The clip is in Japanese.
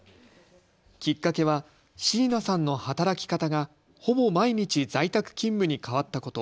きっかけは椎名さんの働き方がほぼ毎日、在宅勤務に変わったこと。